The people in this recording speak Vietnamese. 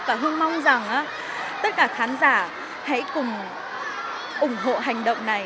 và hương mong rằng tất cả khán giả hãy cùng ủng hộ hành động này